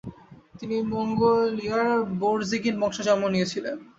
তিনি মঙ্গোলিয়ার বোরজিগিন বংশে জন্ম নিয়েছিলেন।